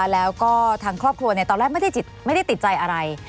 แล้วก็ทางครอบครัวตอนแรกไม่ได้ติดใจอะไร